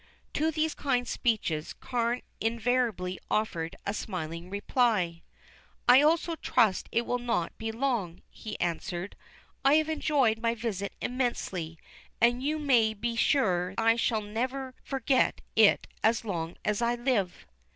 To these kind speeches Carne invariably offered a smiling reply. "I also trust it will not be long," he answered. "I have enjoyed my visit immensely, and you may be sure I shall never forget it as long as I live."